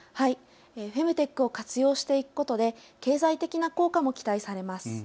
フェムテックを活用していくことで経済的な効果も期待されます。